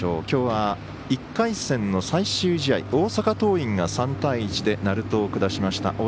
きょうは、１回戦の最終試合大阪桐蔭が３対１で鳴門を下しました。